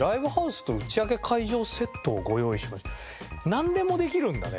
なんでもできるんだね。